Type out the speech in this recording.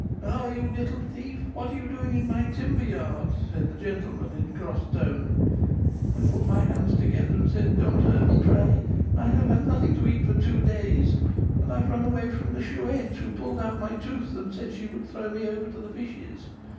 'Ah, you little thief! what are you doing in my timber yard?' said the gentleman, in a cross tone. I put my hands together and said, 'Don't hurt me, pray. I have had nothing to eat for two days, and I've run away from the Chouette, who pulled out my tooth, and said she would throw me over to the fishes.